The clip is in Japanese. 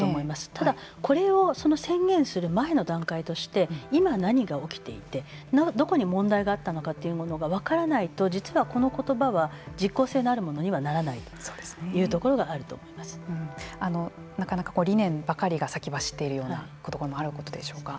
ただ、これを宣言する前の段階として今、何が起きていてどこに問題があったのというものが分からないと実は、この言葉は実効性があるものにはならないなかなか理念ばかりが先走っているようなこともあることでしょうが。